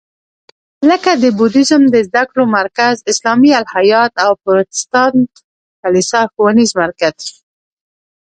لکه د بودیزم د زده کړو مرکز، اسلامي الهیات او پروتستانت کلیسا ښوونیز مرکز.